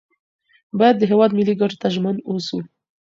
باید د هیواد ملي ګټو ته ژمن اوسو.